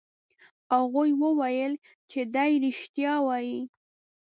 هغوی وویل چې دی رښتیا وایي.